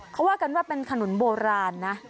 เขาว่ากันว่าเป็นขนุนโบราณนะ